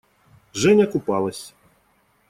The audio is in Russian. Женя купалась.